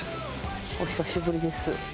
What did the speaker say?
お久しぶりです。